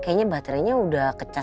kayaknya baterainya udah kecas